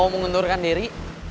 mau mengundurkan diri